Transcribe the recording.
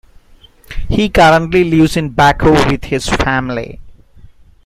He currently lives in Baku with his family.